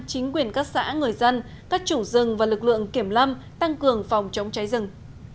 chính quyền các xã người dân các chủ rừng và lực lượng kiểm lâm tăng cường phòng chống cháy rừng